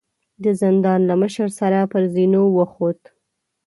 د زندان له مشر سره پر زينو وخوت.